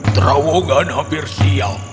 terowongan hampir siap